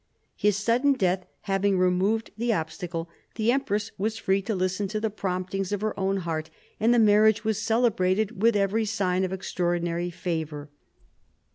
His sudden death having removed the obstacle, the empress was free to listen to the promptings of her own heart, and the marriage was celebrated with every sign of extraordinary favour.